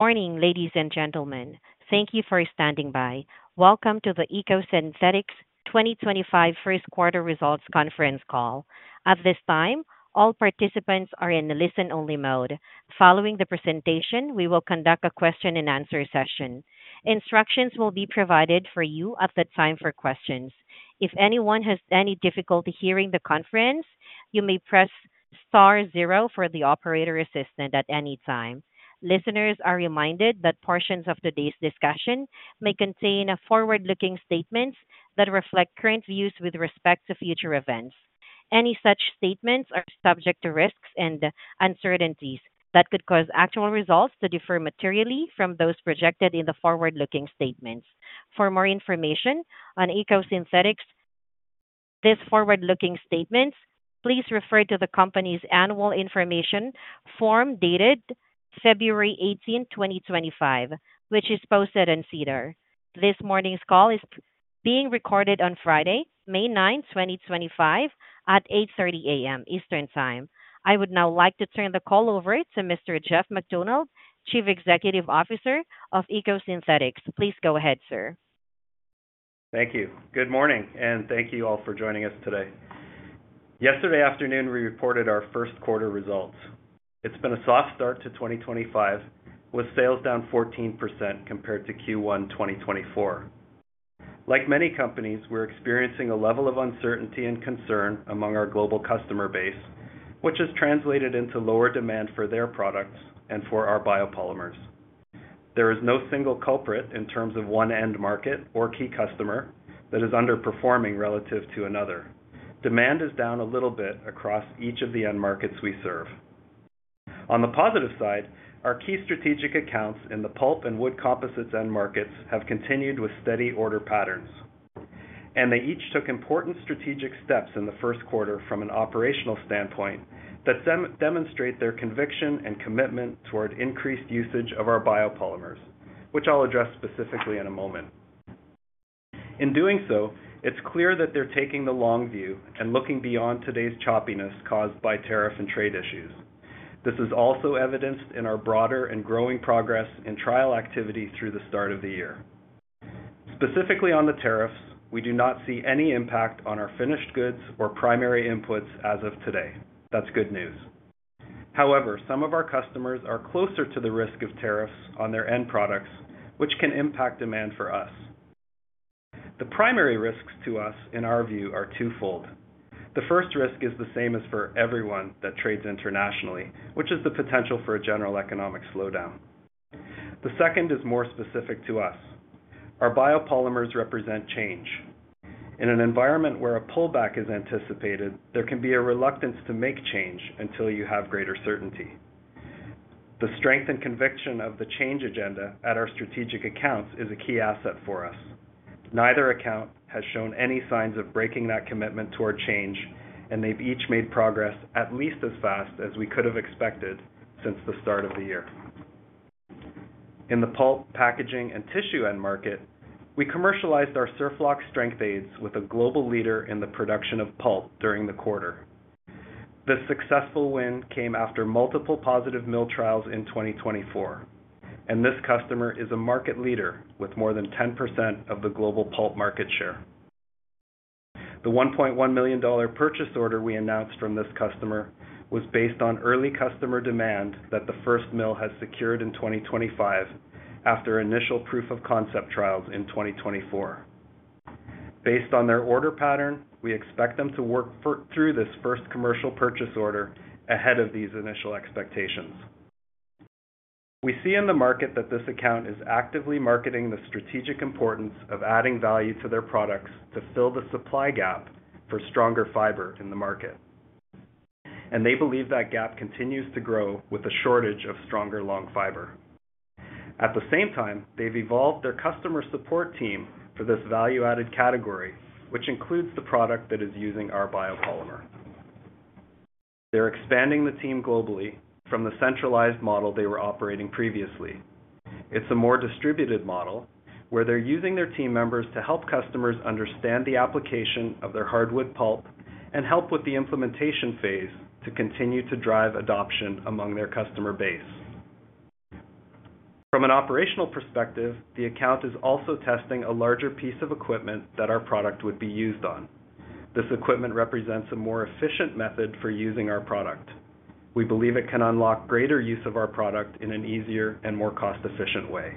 Morning, ladies and gentlemen. Thank you for standing by. Welcome to the EcoSynthetix 2025 First Quarter Results Conference call. At this time, all participants are in listen-only mode. Following the presentation, we will conduct a question-and-answer session. Instructions will be provided for you at the time for questions. If anyone has any difficulty hearing the conference, you may press star zero for the operator assistant at any time. Listeners are reminded that portions of today's discussion may contain forward-looking statements that reflect current views with respect to future events. Any such statements are subject to risks and uncertainties that could cause actual results to differ materially from those projected in the forward-looking statements. For more information on EcoSynthetix's forward-looking statements, please refer to the company's annual information form dated February 18, 2025, which is posted on SEDAR. This morning's call is being recorded on Friday, May 9, 2025, at 8:30 A.M. Eastern Time. I would now like to turn the call over to Mr. Jeff MacDonald, Chief Executive Officer of EcoSynthetix. Please go ahead, sir. Thank you. Good morning, and thank you all for joining us today. Yesterday afternoon, we reported our first quarter results. It's been a soft start to 2025, with sales down 14% compared to Q1 2024. Like many companies, we're experiencing a level of uncertainty and concern among our global customer base, which has translated into lower demand for their products and for our biopolymers. There is no single culprit in terms of one end market or key customer that is underperforming relative to another. Demand is down a little bit across each of the end markets we serve. On the positive side, our key strategic accounts in the pulp and wood composites end markets have continued with steady order patterns, and they each took important strategic steps in the first quarter from an operational standpoint that demonstrate their conviction and commitment toward increased usage of our biopolymers, which I'll address specifically in a moment. In doing so, it's clear that they're taking the long view and looking beyond today's choppiness caused by tariff and trade issues. This is also evidenced in our broader and growing progress in trial activity through the start of the year. Specifically on the tariffs, we do not see any impact on our finished goods or primary inputs as of today. That's good news. However, some of our customers are closer to the risk of tariffs on their end products, which can impact demand for us. The primary risks to us, in our view, are twofold. The first risk is the same as for everyone that trades internationally, which is the potential for a general economic slowdown. The second is more specific to us. Our biopolymers represent change. In an environment where a pullback is anticipated, there can be a reluctance to make change until you have greater certainty. The strength and conviction of the change agenda at our strategic accounts is a key asset for us. Neither account has shown any signs of breaking that commitment toward change, and they've each made progress at least as fast as we could have expected since the start of the year. In the pulp, packaging, and tissue end market, we commercialized our SurfLock strength aids with a global leader in the production of pulp during the quarter. This successful win came after multiple positive mill trials in 2024, and this customer is a market leader with more than 10% of the global pulp market share. The 1.1 million dollar purchase order we announced from this customer was based on early customer demand that the first mill has secured in 2025 after initial proof-of-concept trials in 2024. Based on their order pattern, we expect them to work through this first commercial purchase order ahead of these initial expectations. We see in the market that this account is actively marketing the strategic importance of adding value to their products to fill the supply gap for stronger fiber in the market, and they believe that gap continues to grow with a shortage of stronger long fiber. At the same time, they've evolved their customer support team for this value-added category, which includes the product that is using our biopolymer. They're expanding the team globally from the centralized model they were operating previously. It's a more distributed model where they're using their team members to help customers understand the application of their hardwood pulp and help with the implementation phase to continue to drive adoption among their customer base. From an operational perspective, the account is also testing a larger piece of equipment that our product would be used on. This equipment represents a more efficient method for using our product. We believe it can unlock greater use of our product in an easier and more cost-efficient way.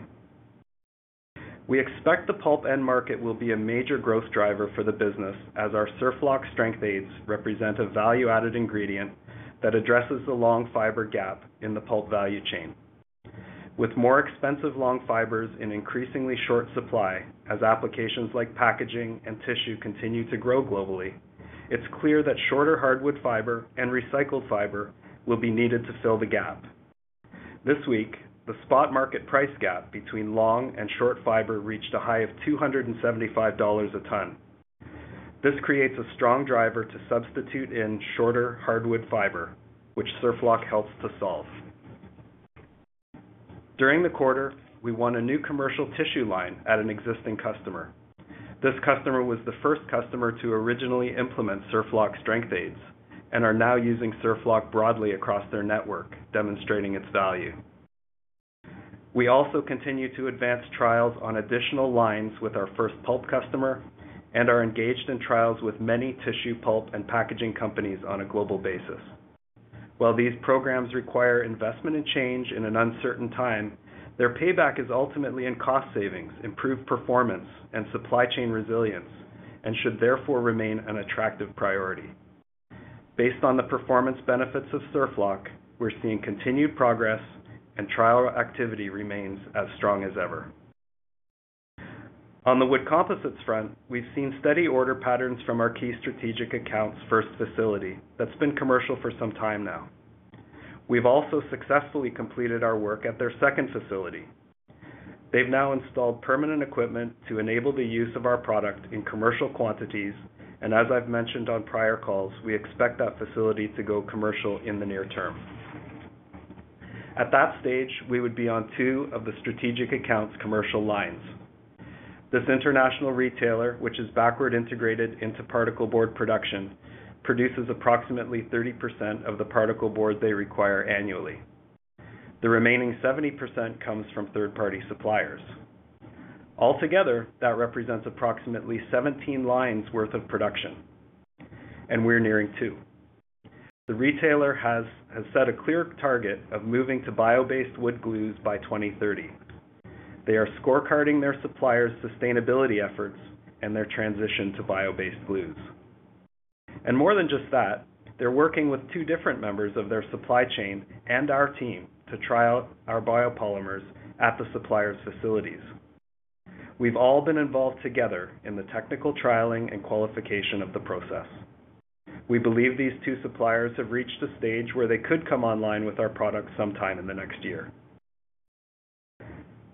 We expect the pulp end market will be a major growth driver for the business as our SurfLock strength aids represent a value-added ingredient that addresses the long fiber gap in the pulp value chain. With more expensive long fibers in increasingly short supply as applications like packaging and tissue continue to grow globally, it's clear that shorter hardwood fiber and recycled fiber will be needed to fill the gap. This week, the spot market price gap between long and short fiber reached a high of 275 dollars a ton. This creates a strong driver to substitute in shorter hardwood fiber, which SurfLock helps to solve. During the quarter, we won a new commercial tissue line at an existing customer. This customer was the first customer to originally implement SurfLock strength aids and are now using SurfLock broadly across their network, demonstrating its value. We also continue to advance trials on additional lines with our first pulp customer and are engaged in trials with many tissue, pulp, and packaging companies on a global basis. While these programs require investment and change in an uncertain time, their payback is ultimately in cost savings, improved performance, and supply chain resilience, and should therefore remain an attractive priority. Based on the performance benefits of SurfLock, we're seeing continued progress, and trial activity remains as strong as ever. On the wood composites front, we've seen steady order patterns from our key strategic account's first facility that's been commercial for some time now. We've also successfully completed our work at their second facility. They've now installed permanent equipment to enable the use of our product in commercial quantities, and as I've mentioned on prior calls, we expect that facility to go commercial in the near term. At that stage, we would be on two of the strategic account's commercial lines. This international retailer, which is backward integrated into particle board production, produces approximately 30% of the particle board they require annually. The remaining 70% comes from third-party suppliers. Altogether, that represents approximately 17 lines' worth of production, and we're nearing two. The retailer has set a clear target of moving to bio-based wood glues by 2030. They are scorecarding their suppliers' sustainability efforts and their transition to bio-based glues. More than just that, they're working with two different members of their supply chain and our team to trial our biopolymers at the suppliers' facilities. We've all been involved together in the technical trialing and qualification of the process. We believe these two suppliers have reached a stage where they could come online with our product sometime in the next year.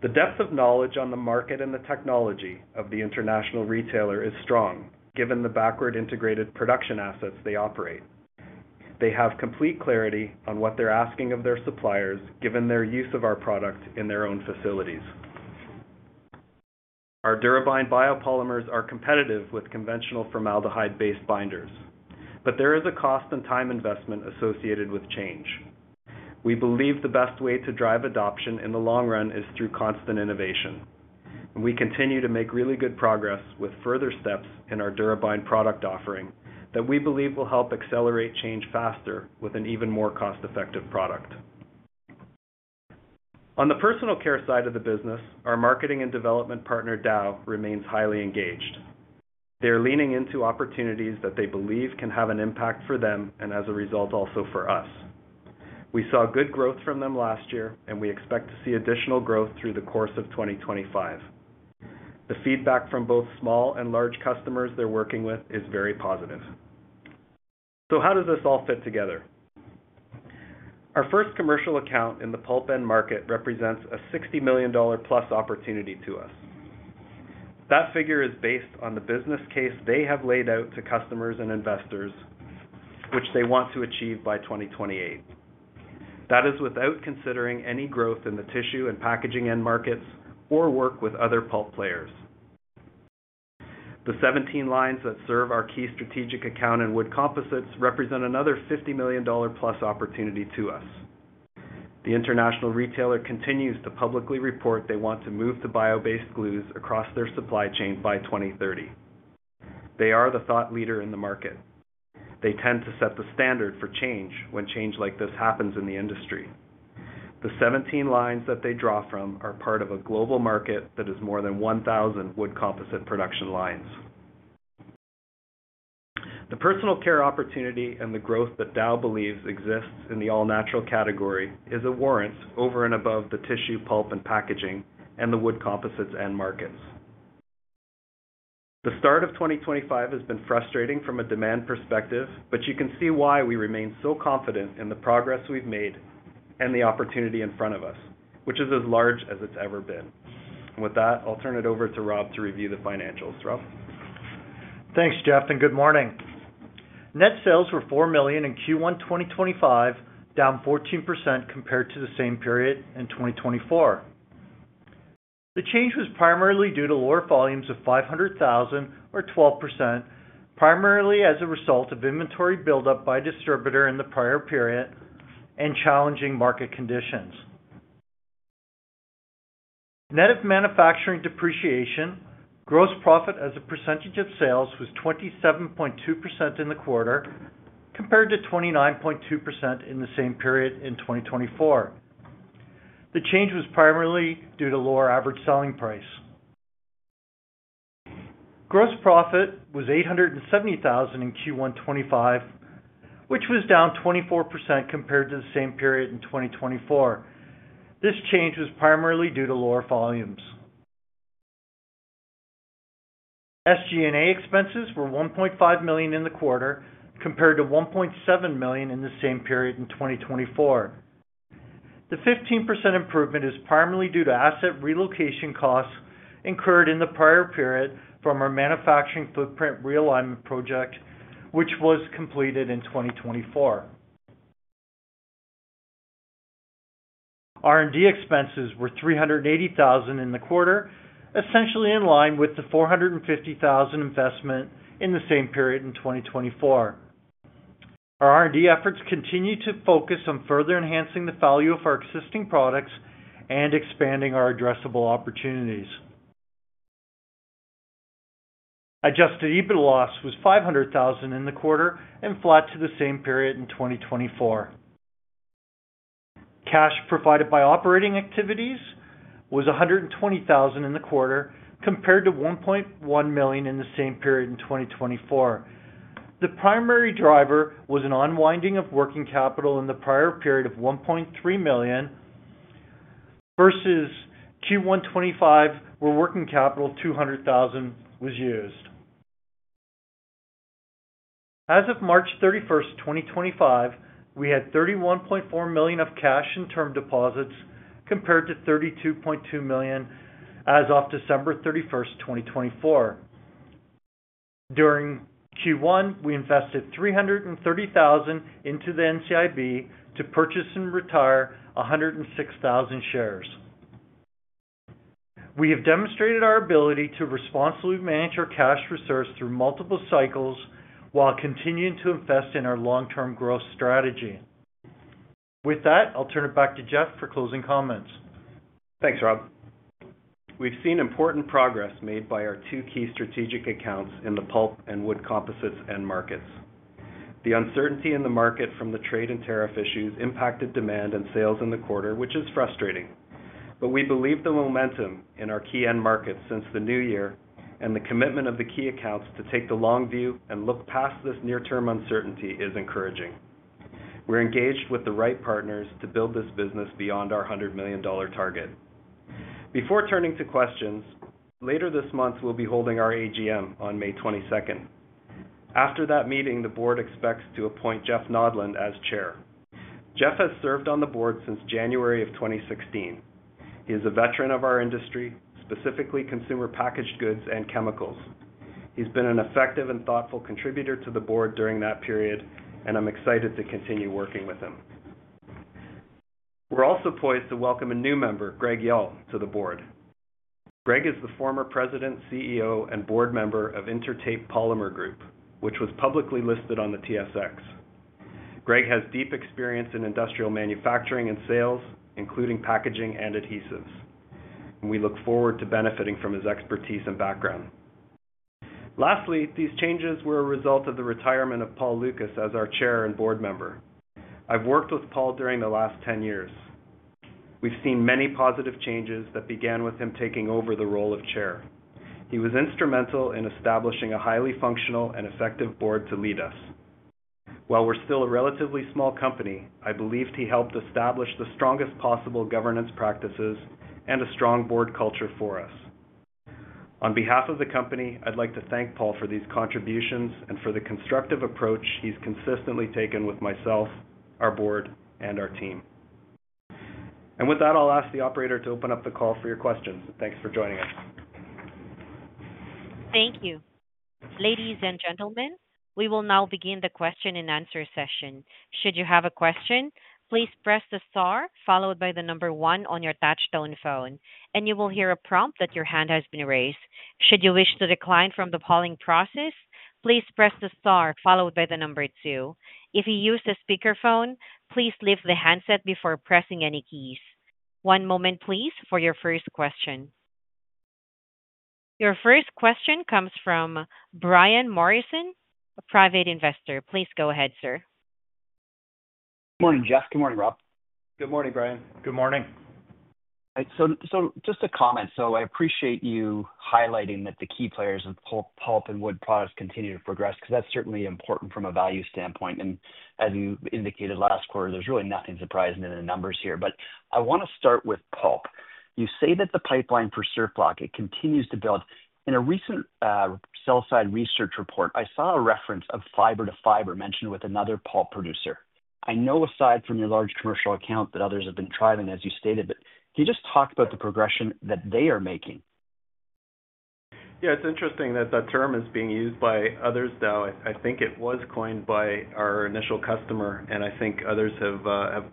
The depth of knowledge on the market and the technology of the international retailer is strong, given the backward integrated production assets they operate. They have complete clarity on what they're asking of their suppliers, given their use of our product in their own facilities. Our DuraBind biopolymers are competitive with conventional formaldehyde-based binders, but there is a cost and time investment associated with change. We believe the best way to drive adoption in the long run is through constant innovation, and we continue to make really good progress with further steps in our DuraBind product offering that we believe will help accelerate change faster with an even more cost-effective product. On the personal care side of the business, our marketing and development partner, Dow, remains highly engaged. They're leaning into opportunities that they believe can have an impact for them and, as a result, also for us. We saw good growth from them last year, and we expect to see additional growth through the course of 2025. The feedback from both small and large customers they're working with is very positive. How does this all fit together? Our first commercial account in the pulp end market represents a 60 million dollar-plus opportunity to us. That figure is based on the business case they have laid out to customers and investors, which they want to achieve by 2028. That is without considering any growth in the tissue and packaging end markets or work with other pulp players. The 17 lines that serve our key strategic account in wood composites represent another 50 million dollar-plus opportunity to us. The international retailer continues to publicly report they want to move to bio-based glues across their supply chain by 2030. They are the thought leader in the market. They tend to set the standard for change when change like this happens in the industry. The 17 lines that they draw from are part of a global market that is more than 1,000 wood composite production lines. The personal care opportunity and the growth that Dow believes exists in the all-natural category is a warrant over and above the tissue, pulp, and packaging and the wood composites end markets. The start of 2025 has been frustrating from a demand perspective, but you can see why we remain so confident in the progress we've made and the opportunity in front of us, which is as large as it's ever been. With that, I'll turn it over to Rob to review the financials. Rob? Thanks, Jeff, and good morning. Net sales were 4 million in Q1 2025, down 14% compared to the same period in 2024. The change was primarily due to lower volumes of 500,000, or 12%, primarily as a result of inventory buildup by distributor in the prior period and challenging market conditions. Net of manufacturing depreciation, gross profit as a percentage of sales was 27.2% in the quarter compared to 29.2% in the same period in 2024. The change was primarily due to lower average selling price. Gross profit was 870,000 in Q1 2025, which was down 24% compared to the same period in 2024. This change was primarily due to lower volumes. SG&A expenses were 1.5 million in the quarter compared to 1.7 million in the same period in 2024. The 15% improvement is primarily due to asset relocation costs incurred in the prior period from our manufacturing footprint realignment project, which was completed in 2024. R&D expenses were 380,000 in the quarter, essentially in line with the 450,000 investment in the same period in 2024. Our R&D efforts continue to focus on further enhancing the value of our existing products and expanding our addressable opportunities. Adjusted EBITDA loss was 500,000 in the quarter and flat to the same period in 2024. Cash provided by operating activities was 120,000 in the quarter compared to 1.1 million in the same period in 2024. The primary driver was an unwinding of working capital in the prior period of 1.3 million versus Q1 2025, where working capital 200,000 was used. As of March 31st, 2025, we had 31.4 million of cash and term deposits compared to 32.2 million as of December 31st, 2024. During Q1, we invested 330,000 into the NCIB to purchase and retire 106,000 shares. We have demonstrated our ability to responsibly manage our cash reserves through multiple cycles while continuing to invest in our long-term growth strategy. With that, I'll turn it back to Jeff for closing comments. Thanks, Rob. We've seen important progress made by our two key strategic accounts in the pulp and wood composites end markets. The uncertainty in the market from the trade and tariff issues impacted demand and sales in the quarter, which is frustrating. We believe the momentum in our key end markets since the new year and the commitment of the key accounts to take the long view and look past this near-term uncertainty is encouraging. We're engaged with the right partners to build this business beyond our 100 million dollar target. Before turning to questions, later this month, we'll be holding our AGM on May 22nd. After that meeting, the board expects to appoint Jeff Nodland as chair. Jeff has served on the board since January of 2016. He is a veteran of our industry, specifically consumer packaged goods and chemicals. He's been an effective and thoughtful contributor to the board during that period, and I'm excited to continue working with him. We're also poised to welcome a new member, Greg Yull, to the board. Greg is the former president, CEO, and board member of Intertape Polymer Group, which was publicly listed on the TSX. Greg has deep experience in industrial manufacturing and sales, including packaging and adhesives. We look forward to benefiting from his expertise and background. Lastly, these changes were a result of the retirement of Paul Lucas as our chair and board member. I've worked with Paul during the last 10 years. We've seen many positive changes that began with him taking over the role of chair. He was instrumental in establishing a highly functional and effective board to lead us. While we're still a relatively small company, I believe he helped establish the strongest possible governance practices and a strong board culture for us. On behalf of the company, I'd like to thank Paul for these contributions and for the constructive approach he's consistently taken with myself, our board, and our team. With that, I'll ask the operator to open up the call for your questions. Thanks for joining us. Thank you. Ladies and gentlemen, we will now begin the question-and-answer session. Should you have a question, please press the star, followed by the number one on your touchstone phone, and you will hear a prompt that your hand has been raised. Should you wish to decline from the polling process, please press the star, followed by the number two. If you use the speakerphone, please lift the handset before pressing any keys. One moment, please, for your first question. Your first question comes from Brian Morrison, a private investor. Please go ahead, sir. Good morning, Jeff. Good morning, Rob. Good morning, Brian. Good morning. All right. Just a comment. I appreciate you highlighting that the key players in pulp and wood products continue to progress because that's certainly important from a value standpoint. As you indicated last quarter, there's really nothing surprising in the numbers here. I want to start with pulp. You say that the pipeline for SurfLock, it continues to build. In a recent sell-side research report, I saw a reference of fiber-to-fiber mentioned with another pulp producer. I know aside from your large commercial account that others have been trialing, as you stated, but can you just talk about the progression that they are making? Yeah, it's interesting that that term is being used by others, though. I think it was coined by our initial customer, and I think others have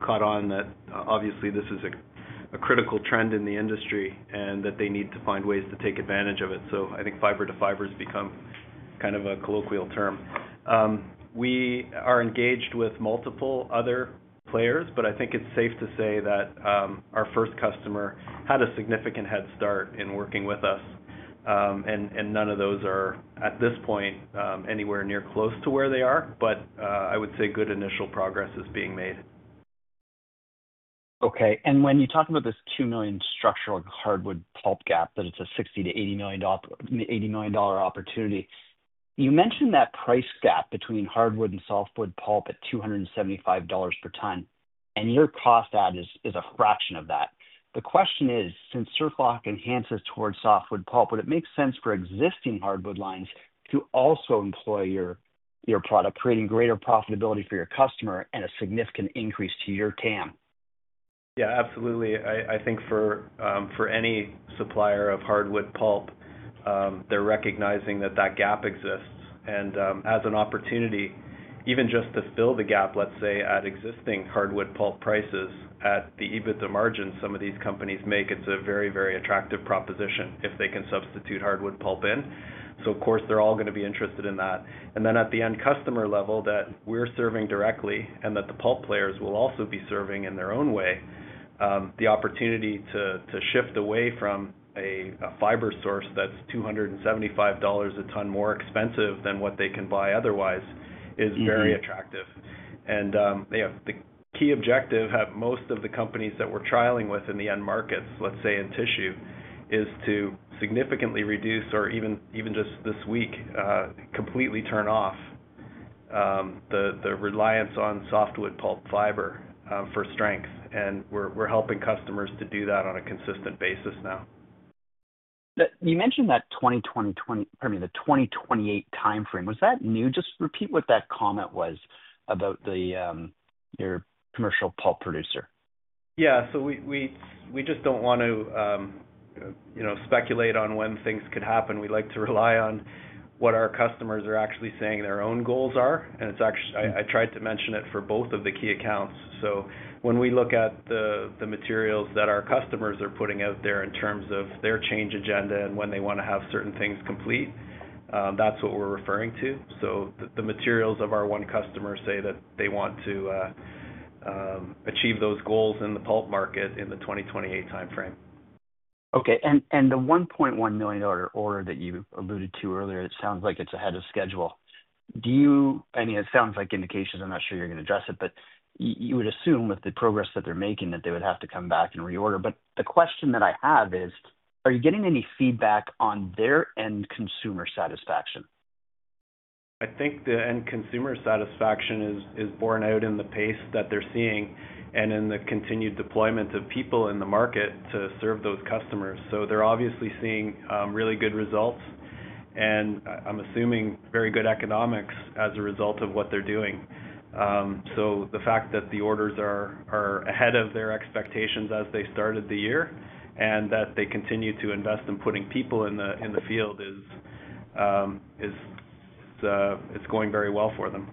caught on that obviously this is a critical trend in the industry and that they need to find ways to take advantage of it. I think fiber-to-fiber has become kind of a colloquial term. We are engaged with multiple other players, but I think it's safe to say that our first customer had a significant head start in working with us, and none of those are at this point anywhere near close to where they are, but I would say good initial progress is being made. Okay. When you talk about this 2 million structural hardwood pulp gap, that it is a 60 million-80 million dollar opportunity, you mentioned that price gap between hardwood and softwood pulp at 275 dollars per ton, and your cost add is a fraction of that. The question is, since SurfLock enhances towards softwood pulp, would it make sense for existing hardwood lines to also employ your product, creating greater profitability for your customer and a significant increase to your TAM? Yeah, absolutely. I think for any supplier of hardwood pulp, they're recognizing that that gap exists. As an opportunity, even just to fill the gap, let's say, at existing hardwood pulp prices at the EBITDA margin some of these companies make, it's a very, very attractive proposition if they can substitute hardwood pulp in. Of course, they're all going to be interested in that. At the end customer level, that we're serving directly and that the pulp players will also be serving in their own way, the opportunity to shift away from a fiber source that's 275 dollars a ton more expensive than what they can buy otherwise is very attractive. The key objective at most of the companies that we're trialing with in the end markets, let's say in tissue, is to significantly reduce or even just this week completely turn off the reliance on softwood pulp fiber for strength. We're helping customers to do that on a consistent basis now. You mentioned that 2020, pardon me, the 2028 timeframe. Was that new? Just repeat what that comment was about your commercial pulp producer. Yeah. We just don't want to speculate on when things could happen. We like to rely on what our customers are actually saying their own goals are. I tried to mention it for both of the key accounts. When we look at the materials that our customers are putting out there in terms of their change agenda and when they want to have certain things complete, that's what we're referring to. The materials of our one customer say that they want to achieve those goals in the pulp market in the 2028 timeframe. Okay. The 1.1 million order that you alluded to earlier, it sounds like it's ahead of schedule. I mean, it sounds like indications. I'm not sure you're going to address it, but you would assume with the progress that they're making that they would have to come back and reorder. The question that I have is, are you getting any feedback on their end consumer satisfaction? I think the end consumer satisfaction is borne out in the pace that they're seeing and in the continued deployment of people in the market to serve those customers. They are obviously seeing really good results and I'm assuming very good economics as a result of what they're doing. The fact that the orders are ahead of their expectations as they started the year and that they continue to invest in putting people in the field is going very well for them.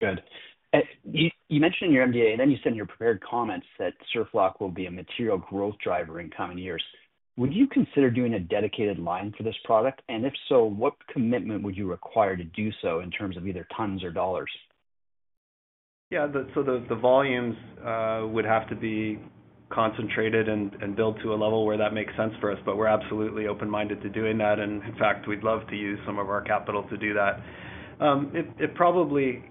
Good. You mentioned in your MD&A, and then you said in your prepared comments that SurfLock will be a material growth driver in coming years. Would you consider doing a dedicated line for this product? If so, what commitment would you require to do so in terms of either tons or dollars? Yeah. The volumes would have to be concentrated and built to a level where that makes sense for us, but we're absolutely open-minded to doing that. In fact, we'd love to use some of our capital to do that.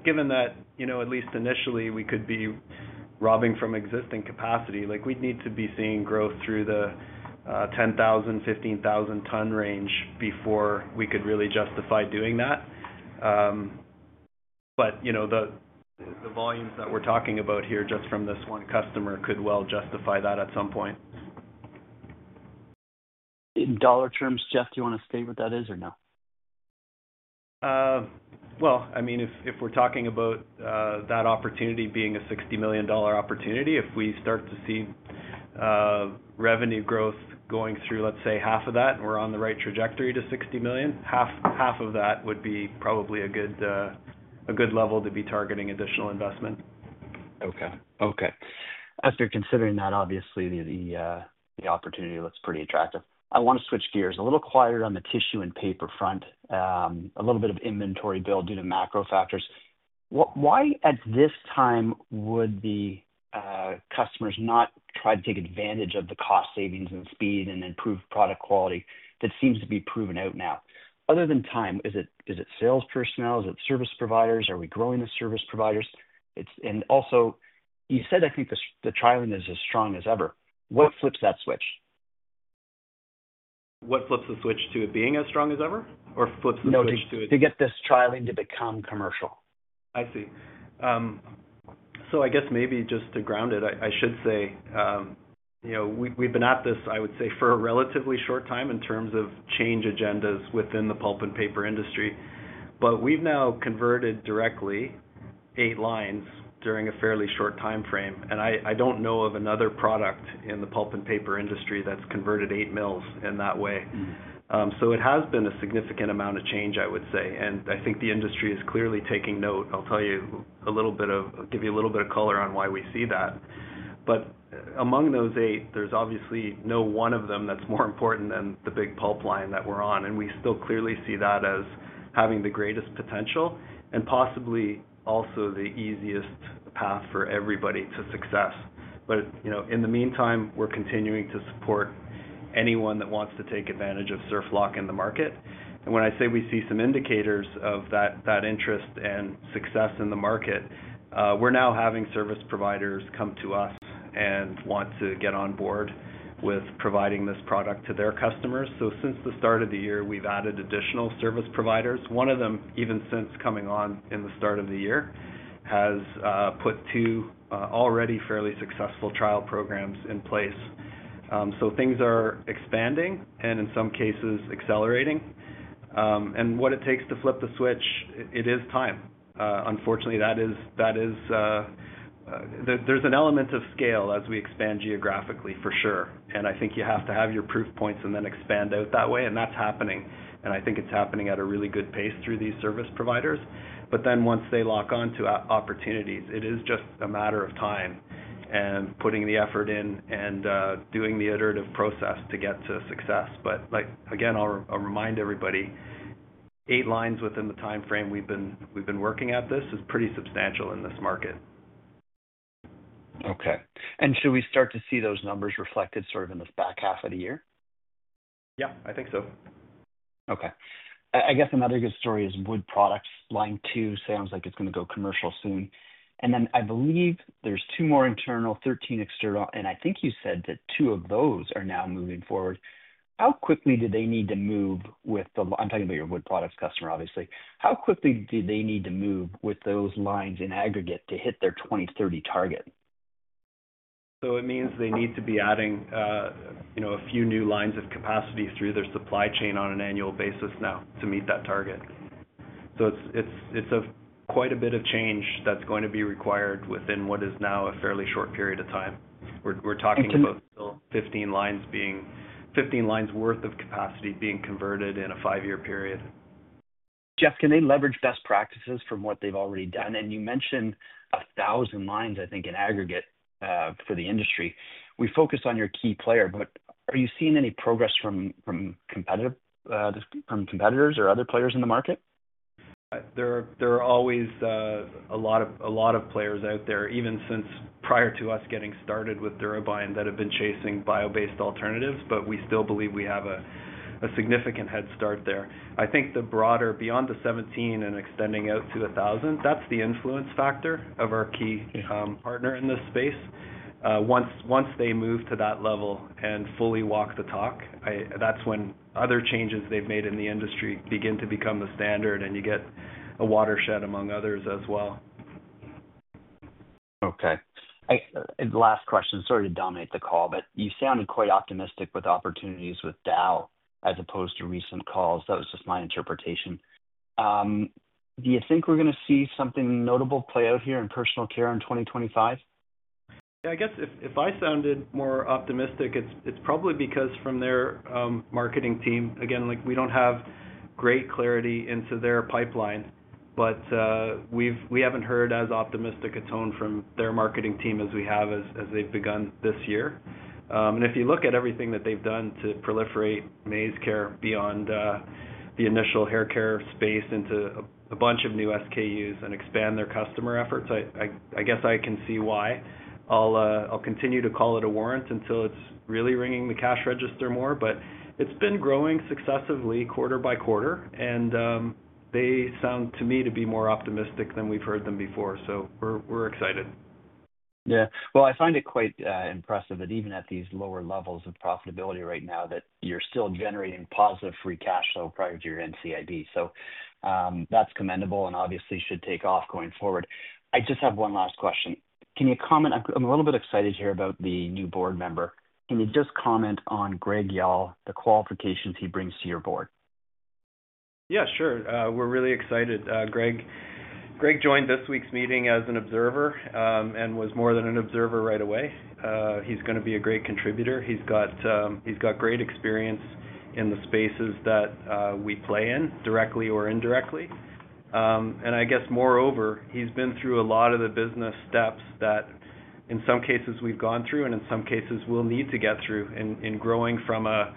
Given that at least initially, we could be robbing from existing capacity, we'd need to be seeing growth through the 10,000-15,000 ton range before we could really justify doing that. The volumes that we're talking about here just from this one customer could well justify that at some point. In dollar terms, Jeff, do you want to state what that is or no? I mean, if we're talking about that opportunity being a 60 million dollar opportunity, if we start to see revenue growth going through, let's say, half of that, and we're on the right trajectory to 60 million, half of that would be probably a good level to be targeting additional investment. Okay. Okay. As you're considering that, obviously, the opportunity looks pretty attractive. I want to switch gears a little quieter on the tissue and paper front, a little bit of inventory build due to macro factors. Why at this time would the customers not try to take advantage of the cost savings and speed and improve product quality that seems to be proven out now? Other than time, is it sales personnel? Is it service providers? Are we growing the service providers? Also, you said, I think the trialing is as strong as ever. What flips that switch? What flips the switch to it being as strong as ever? Or flips the switch to it? No, to get this trialing to become commercial. I see. I guess maybe just to ground it, I should say we've been at this, I would say, for a relatively short time in terms of change agendas within the pulp and paper industry. We've now converted directly eight lines during a fairly short timeframe. I don't know of another product in the pulp and paper industry that's converted eight mills in that way. It has been a significant amount of change, I would say. I think the industry is clearly taking note. I'll give you a little bit of color on why we see that. Among those eight, there's obviously no one of them that's more important than the big pulp line that we're on. We still clearly see that as having the greatest potential and possibly also the easiest path for everybody to success. In the meantime, we're continuing to support anyone that wants to take advantage of SurfLock in the market. When I say we see some indicators of that interest and success in the market, we're now having service providers come to us and want to get on board with providing this product to their customers. Since the start of the year, we've added additional service providers. One of them, even since coming on in the start of the year, has put two already fairly successful trial programs in place. Things are expanding and in some cases accelerating. What it takes to flip the switch, it is time. Unfortunately, there's an element of scale as we expand geographically, for sure. I think you have to have your proof points and then expand out that way. That's happening. I think it's happening at a really good pace through these service providers. Once they lock on to opportunities, it is just a matter of time and putting the effort in and doing the iterative process to get to success. Again, I'll remind everybody, eight lines within the timeframe we've been working at this is pretty substantial in this market. Okay. Should we start to see those numbers reflected sort of in the back half of the year? Yeah, I think so. Okay. I guess another good story is wood products line two. Sounds like it's going to go commercial soon. And then I believe there's two more internal, 13 external. I think you said that two of those are now moving forward. How quickly do they need to move with the, I'm talking about your wood products customer, obviously. How quickly do they need to move with those lines in aggregate to hit their 2030 target? It means they need to be adding a few new lines of capacity through their supply chain on an annual basis now to meet that target. It is quite a bit of change that is going to be required within what is now a fairly short period of time. We are talking about still 15 lines worth of capacity being converted in a five-year period. Jeff, can they leverage best practices from what they've already done? You mentioned 1,000 lines, I think, in aggregate for the industry. We focus on your key player, but are you seeing any progress from competitors or other players in the market? There are always a lot of players out there, even since prior to us getting started with DuraBind, that have been chasing bio-based alternatives, but we still believe we have a significant head start there. I think the broader beyond the 17 and extending out to 1,000, that's the influence factor of our key partner in this space. Once they move to that level and fully walk the talk, that's when other changes they've made in the industry begin to become the standard and you get a watershed among others as well. Okay. Last question, sorry to dominate the call, but you sounded quite optimistic with opportunities with Dow as opposed to recent calls. That was just my interpretation. Do you think we're going to see something notable play out here in personal care in 2025? Yeah. I guess if I sounded more optimistic, it's probably because from their marketing team. Again, we don't have great clarity into their pipeline, but we haven't heard as optimistic a tone from their marketing team as we have as they've begun this year. If you look at everything that they've done to proliferate MaizeCare beyond the initial hair care space into a bunch of new SKUs and expand their customer efforts, I guess I can see why. I'll continue to call it a warrant until it's really ringing the cash register more, but it's been growing successively quarter-by-quarter, and they sound to me to be more optimistic than we've heard them before. We are excited. Yeah. I find it quite impressive that even at these lower levels of profitability right now, that you're still generating positive free cash flow prior to your NCIB. That's commendable and obviously should take off going forward. I just have one last question. Can you comment? I'm a little bit excited here about the new board member. Can you just comment on Greg Yull, the qualifications he brings to your board? Yeah, sure. We're really excited. Greg joined this week's meeting as an observer and was more than an observer right away. He's going to be a great contributor. He's got great experience in the spaces that we play in directly or indirectly. Moreover, he's been through a lot of the business steps that in some cases we've gone through and in some cases we'll need to get through in growing from a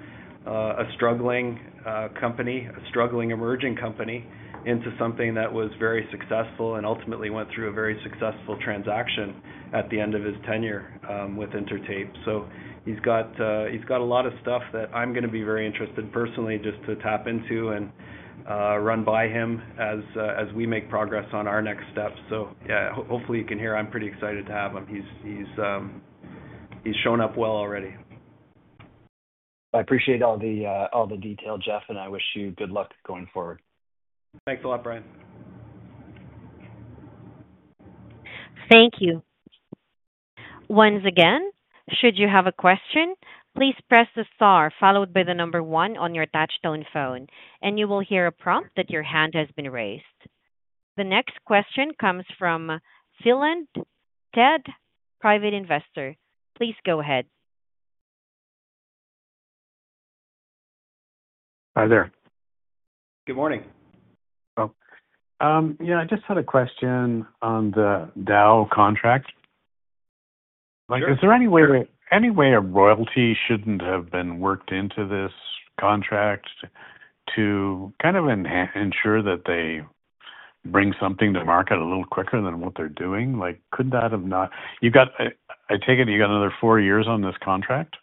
struggling company, a struggling emerging company into something that was very successful and ultimately went through a very successful transaction at the end of his tenure with Intertape. He's got a lot of stuff that I'm going to be very interested personally just to tap into and run by him as we make progress on our next steps. Yeah, hopefully you can hear I'm pretty excited to have him. He's shown up well already. I appreciate all the detail, Jeff, and I wish you good luck going forward. Thanks a lot, Brian. Thank you. Once again, should you have a question, please press the star followed by the number one on your touchstone phone, and you will hear a prompt that your hand has been raised. The next question comes from Philand Ted, private investor. Please go ahead. Hi there. Good morning. Oh. Yeah. I just had a question on the Dow contract. Is there any way a royalty shouldn't have been worked into this contract to kind of ensure that they bring something to market a little quicker than what they're doing? Could that have not? I take it you got another four years on this contract?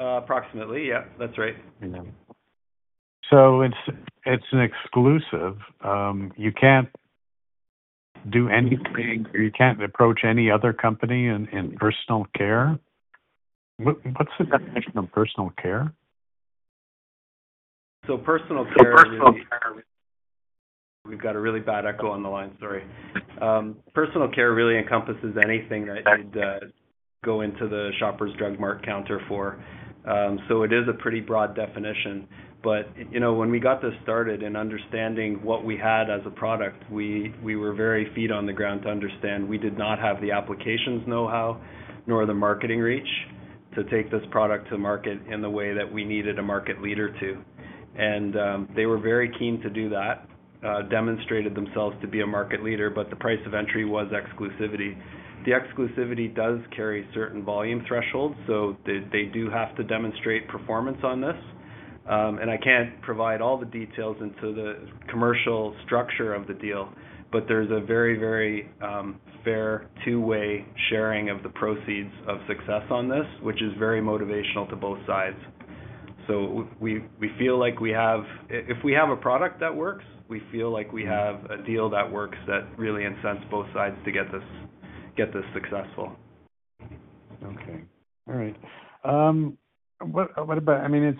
Approximately. Yeah. That's right. It's an exclusive. You can't do anything or you can't approach any other company in personal care? What's the definition of personal care? Personal care. We've got a really bad echo on the line. Sorry. Personal care really encompasses anything that you'd go into the Shoppers Drug Mart counter for. It is a pretty broad definition. When we got this started and understanding what we had as a product, we were very feet on the ground to understand we did not have the applications know-how nor the marketing reach to take this product to market in the way that we needed a market leader to. They were very keen to do that, demonstrated themselves to be a market leader, but the price of entry was exclusivity. The exclusivity does carry certain volume thresholds, so they do have to demonstrate performance on this. I can't provide all the details into the commercial structure of the deal, but there's a very, very fair two-way sharing of the proceeds of success on this, which is very motivational to both sides. We feel like if we have a product that works, we feel like we have a deal that works that really incents both sides to get this successful. Okay. All right. I mean,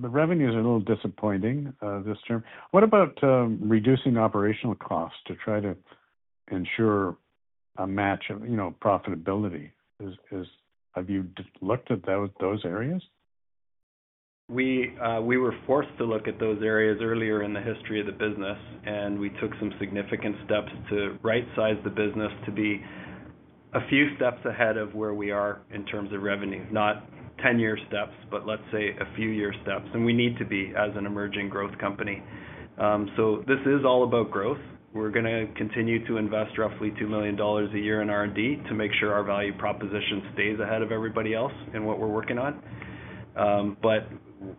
the revenues are a little disappointing this term. What about reducing operational costs to try to ensure a match of profitability? Have you looked at those areas? We were forced to look at those areas earlier in the history of the business, and we took some significant steps to right-size the business to be a few steps ahead of where we are in terms of revenue. Not 10-year steps, but let's say a few-year steps. We need to be as an emerging growth company. This is all about growth. We're going to continue to invest roughly 2 million dollars a year in R&D to make sure our value proposition stays ahead of everybody else in what we're working on.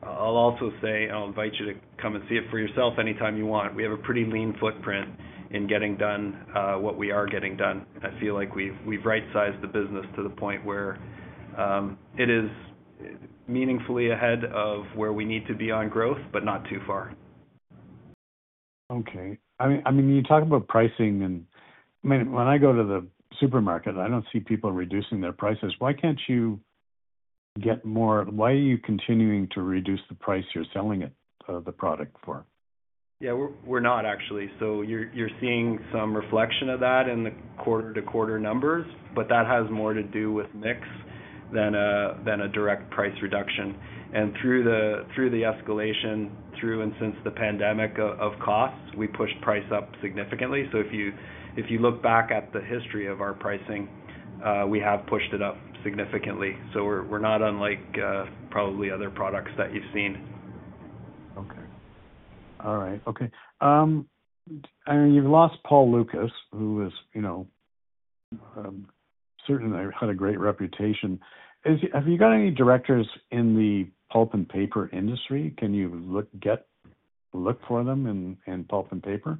I'll also say I'll invite you to come and see it for yourself anytime you want. We have a pretty lean footprint in getting done what we are getting done. I feel like we've right-sized the business to the point where it is meaningfully ahead of where we need to be on growth, but not too far. Okay. I mean, you talk about pricing and I mean, when I go to the supermarket, I don't see people reducing their prices. Why can't you get more? Why are you continuing to reduce the price you're selling the product for? Yeah. We're not, actually. You're seeing some reflection of that in the quarter-to-quarter numbers, but that has more to do with mix than a direct price reduction. Through the escalation, through and since the pandemic of costs, we pushed price up significantly. If you look back at the history of our pricing, we have pushed it up significantly. We're not unlike probably other products that you've seen. Okay. All right. Okay. I mean, you've lost Paul Lucas, who certainly had a great reputation. Have you got any directors in the pulp and paper industry? Can you look for them in pulp and paper?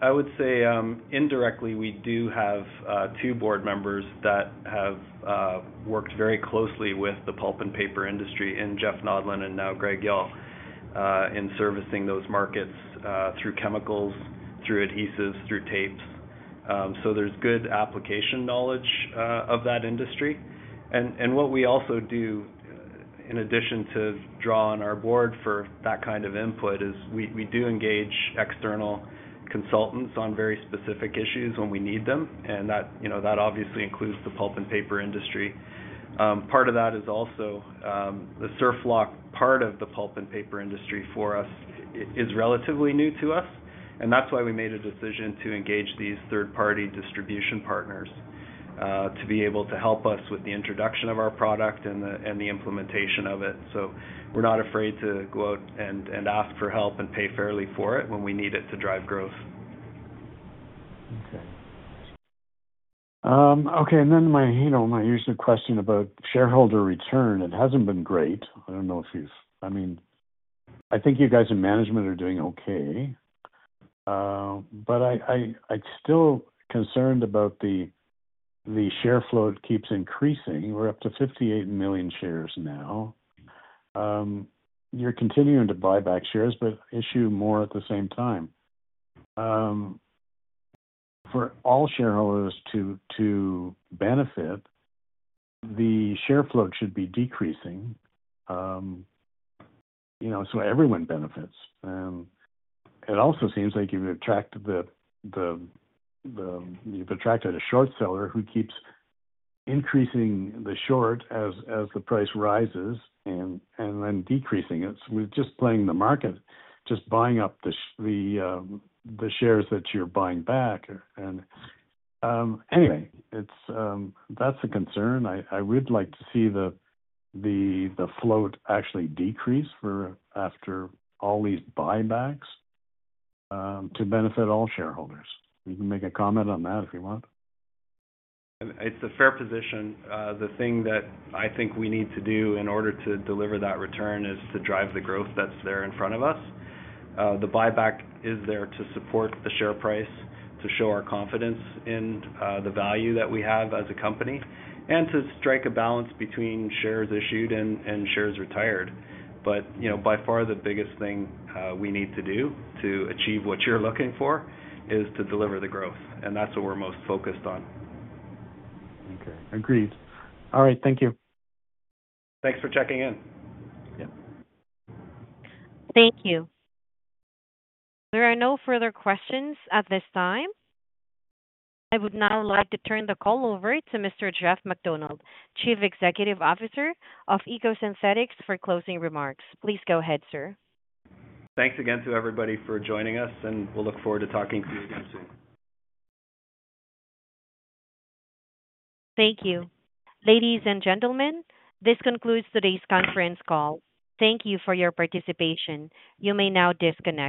I would say indirectly, we do have two board members that have worked very closely with the pulp and paper industry, and Jeff Nodland and now Greg Yull, in servicing those markets through chemicals, through adhesives, through tapes. There is good application knowledge of that industry. What we also do, in addition to drawing on our board for that kind of input, is we do engage external consultants on very specific issues when we need them. That obviously includes the pulp and paper industry. Part of that is also the SurfLock part of the pulp and paper industry for us is relatively new to us. That is why we made a decision to engage these third-party distribution partners to be able to help us with the introduction of our product and the implementation of it. We're not afraid to go out and ask for help and pay fairly for it when we need it to drive growth. Okay. Okay. And then my usual question about shareholder return, it hasn't been great. I don't know if you've, I mean, I think you guys in management are doing okay. I'm still concerned about the share float keeps increasing. We're up to 58 million shares now. You're continuing to buy back shares, but issue more at the same time. For all shareholders to benefit, the share float should be decreasing so everyone benefits. It also seems like you've attracted a short seller who keeps increasing the short as the price rises and then decreasing it. We're just playing the market, just buying up the shares that you're buying back. Anyway, that's a concern. I would like to see the float actually decrease after all these buybacks to benefit all shareholders. You can make a comment on that if you want. It's a fair position. The thing that I think we need to do in order to deliver that return is to drive the growth that's there in front of us. The buyback is there to support the share price, to show our confidence in the value that we have as a company, and to strike a balance between shares issued and shares retired. By far, the biggest thing we need to do to achieve what you're looking for is to deliver the growth. That's what we're most focused on. Okay. Agreed. All right. Thank you. Thanks for checking in. Thank you. There are no further questions at this time. I would now like to turn the call over to Mr. Jeff MacDonald, Chief Executive Officer of EcoSynthetix, for closing remarks. Please go ahead, sir. Thanks again to everybody for joining us, and we'll look forward to talking to you again soon. Thank you. Ladies and gentlemen, this concludes today's conference call. Thank you for your participation. You may now disconnect.